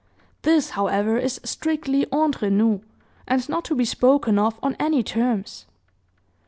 This, however, is strictly entre nous, and not to be spoken of on any terms."